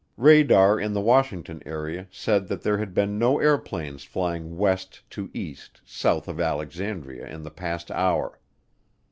Radar in the Washington area said that there had been no airplanes flying west to east south of Alexandria in the past hour.